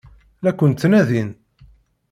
La ken-ttnadin.